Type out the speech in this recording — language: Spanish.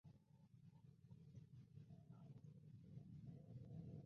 Son económicas y muy populares.